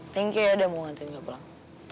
thank you ya udah mau ngantuin gua pulang